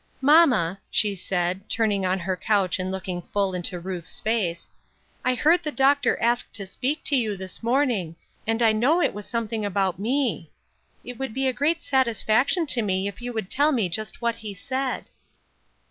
"Mamma," she said, turning on her couch and looking full into Ruth's face, " I heard the doctor ask to speak to you, this morning, and I know it was something about me; it would be a great satisfaction to me if you would tell me just what he said."